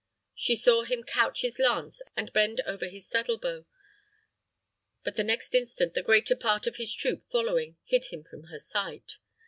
She saw him couch his lance and bend over his saddle bow; but the next instant, the greater part of his troop following, hid him from her sight.